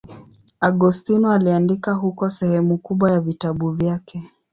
Agostino aliandika huko sehemu kubwa ya vitabu vyake.